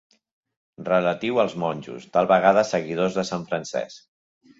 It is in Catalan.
Relatiu als monjos, tal vegada seguidors de Sant Francesc.